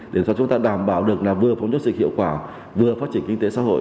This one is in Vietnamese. để cho chúng ta đảm bảo được là vừa phòng chống dịch hiệu quả vừa phát triển kinh tế xã hội